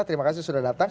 terima kasih sudah datang